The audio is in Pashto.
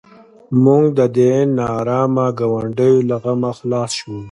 موږ د دې نارامه ګاونډیو له غمه خلاص شوو.